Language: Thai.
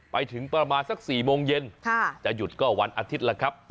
ไปถึงประมาณสัก๔โมงเย็นจะหยุดก็วันอาทิตย์แล้วครับ